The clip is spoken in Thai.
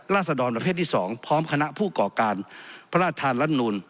ราศดรณ์ประเภทที่๒พร้อมคณะผู้ก่อการพระราชธรรณ์และนู่น